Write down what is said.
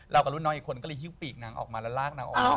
กับรุ่นน้องอีกคนก็เลยฮิ้วปีกนางออกมาแล้วลากนางออก